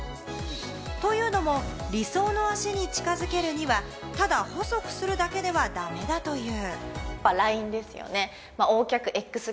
というのも、理想の脚に近づけるには、ただ細くするだけでは駄目だという。